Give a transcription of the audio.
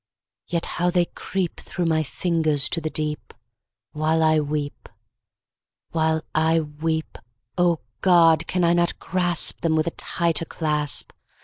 yet how they creep Through my fingers to the deep While I weep while I weep! O God! can I not grasp Them with a tighter clasp?